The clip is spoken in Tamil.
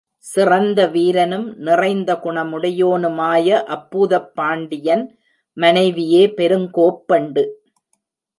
சிறந்த வீரனும், நிறைந்த குணமுடையோனுமாய அப்பூதப் பாண்டியன் மனைவியே பெருங்கோப் பெண்டு.